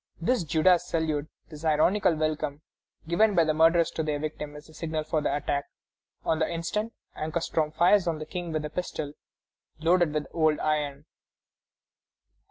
This Judas salute, this ironical welcome given by the murderers to their victim, is the signal for the attack. On the instant, Ankarstroem fires on the King with a pistol loaded with old iron.